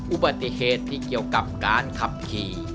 อุบัติเหตุที่เกี่ยวกับการขับขี่